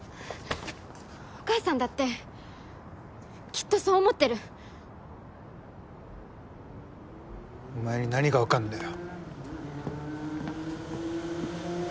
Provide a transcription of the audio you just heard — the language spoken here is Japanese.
お母さんだってきっとそう思ってるお前に何が分かんだよ